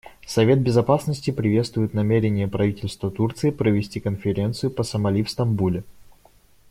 Совет Безопасности приветствует намерение правительства Турции провести конференцию по Сомали в Стамбуле.